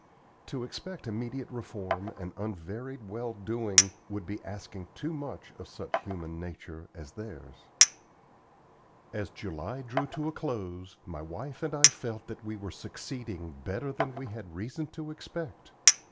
To expect immediate reform and unvaried well doing would be asking too much of such human nature as theirs. As July drew to a close, my wife and I felt that we were succeeding better than we had had reason to expect.